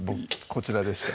こちらでした